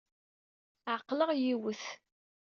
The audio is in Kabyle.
Ɛeqleɣ yiwet.